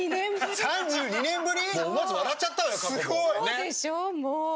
そうでしょうもう。